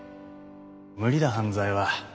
無理だ犯罪は。